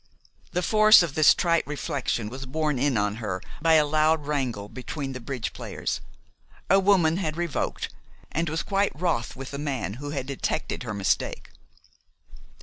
The force of this trite reflection was borne in on her by a loud wrangle between the bridge players. A woman had revoked, and was quite wroth with the man who detected her mistake.